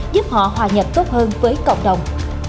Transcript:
giúp họ hòa nhập tốt hơn với cộng đồng